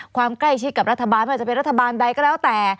ความใกล้ชิดกับรัฐบาลไม่ว่าจะเป็นรัฐบาลใดก็แล้วแต่